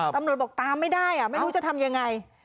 ตำรวจบอกตามไม่ได้ไม่รู้จะทำยังไง